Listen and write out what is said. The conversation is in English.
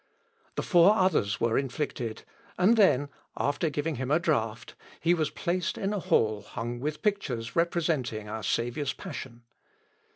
The four others were inflicted, and then, after giving him a draught, he was placed in a hall hung with pictures representing our Saviour's passion.